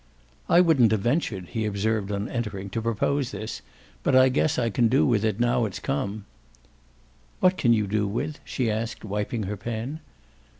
"I wouldn't have ventured," he observed on entering, "to propose this, but I guess I can do with it now it's come." "What can you do with?" she asked, wiping her pen.